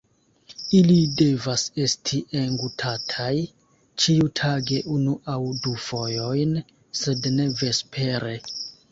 Ili devas esti engutataj ĉiutage unu aŭ du fojojn, sed ne vespere.